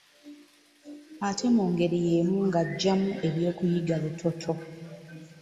Ate mu ngeri yemu ng’aggyamu ebyokuyiga lutotto.